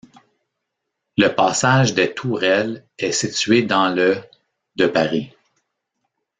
Le passage des Tourelles est situé dans le de Paris.